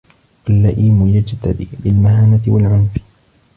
وَاللَّئِيمُ يَجْتَدِي بِالْمَهَانَةِ وَالْعُنْفِ